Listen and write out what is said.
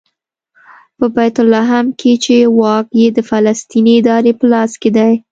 په بیت لحم کې چې واک یې د فلسطیني ادارې په لاس کې دی.